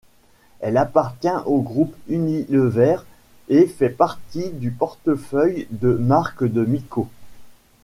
Elle appartient au groupe Unilever et fait partie du portefeuille de marques de Miko.